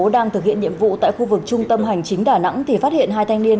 đang thực hiện nhiệm vụ tại khu vực trung tâm hành chính đà nẵng thì phát hiện hai thanh niên